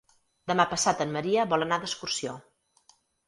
Demà passat en Maria vol anar d'excursió.